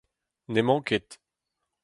N’emañ ket.